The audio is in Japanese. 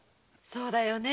そうよね。